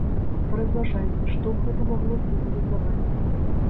Паразважайце, што б гэта магло сімвалізаваць?